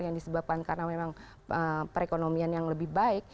yang disebabkan karena memang perekonomian yang lebih baik